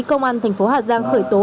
công an thành phố hà giang khởi tố